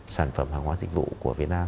sản phẩm hàng hóa dịch vụ của việt nam